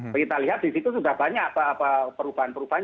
kita lihat disitu sudah banyak perubahan perubahan